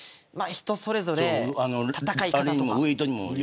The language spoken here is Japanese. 人それぞれ戦い方とか。